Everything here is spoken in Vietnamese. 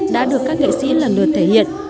đã được các nghệ sĩ lần lượt thể hiện